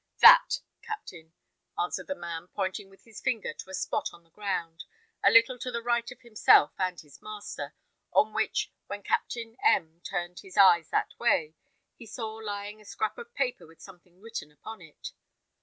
"That, captain," answered the man, pointing with his finger to a spot on the ground, a little to the right of himself and his master, on which, when Captain M turned his eyes that way, he saw lying a scrap of paper with something written upon it.